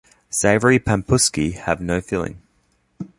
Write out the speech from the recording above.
Savoury pampusky have no filling.